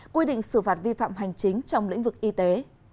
quy định xử phạt vi phạm hành chính trong lĩnh vực y tế